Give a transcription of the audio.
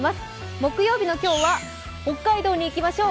木曜日の今日は、北海道にいきましょう。